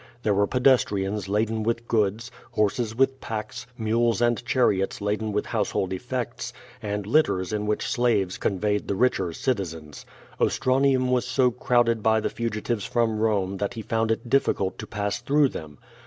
There were pedestrians laden with goods, horses with packs, mules and chariots laden/ with household effects, and litters in which slaves conveyed the richer citizens. Ostr.i nium was so crowded by the fugitives from Home that Jie found it difficult to pass through them.